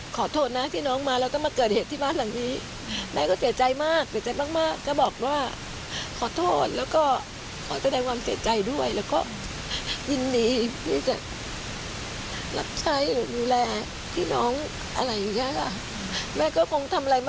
เกิดเลือกมันอยากดีกว่าไหน